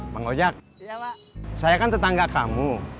bang ojak saya kan tetangga kamu